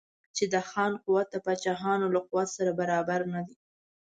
چې د خان قوت د پاچاهانو له قوت سره برابر نه دی.